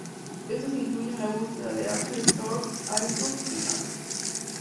Estos incluyen la búsqueda de App Store, iTunes y Maps.